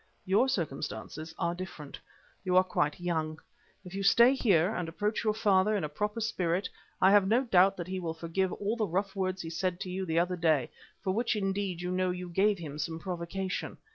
Your circumstances are different. You are quite young. If you stay here and approach your father in a proper spirit, I have no doubt but that he will forget all the rough words he said to you the other day, for which indeed you know you gave him some provocation.